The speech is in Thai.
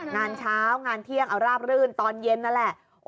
งานเช้างานเที่ยงเอาราบรื่นตอนเย็นนั่นแหละ